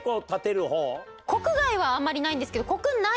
国外はあんまりないんですけど。